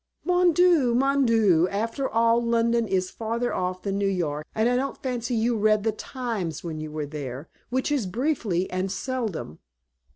"Mon dieu! Mon dieu! But after all London is farther off than New York, and I don't fancy you read the Times when you are there which is briefly and seldom.